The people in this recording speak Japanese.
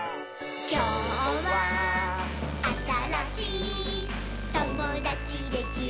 「きょうはあたらしいともだちできるといいね」